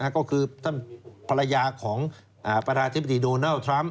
ก็คือท่านภรรยาของประธานาธิบดีโดนัลด์ทรัมป